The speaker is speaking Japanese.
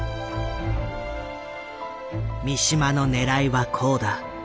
三島のねらいはこうだ。